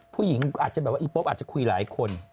ผู้หญิงอาจจะแบบว่าอีโป๊ปอาจจะคุยหลายคน